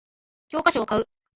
教科書を買う